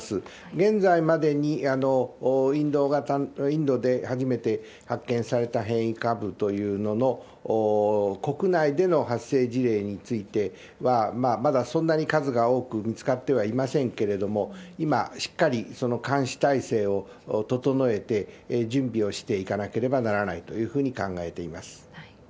現在までにインドで初めて発見された変異株というのの国内での発生事例については、まだそんなに数が多く見つかってはいませんけれども、今、しっかりその監視体制を整えて、準備をしていかなければならないというふうに考えています。